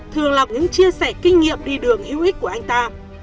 thường lọc những chia sẻ kinh nghiệm đi đường hữu ích của anh ta